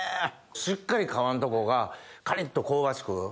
しっかり皮んとこがカリっと香ばしく。